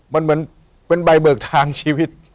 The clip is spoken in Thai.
มันเหมือนเป็นใบเบิกทางชีวิต